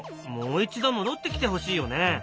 もう一度戻ってきてほしいよね。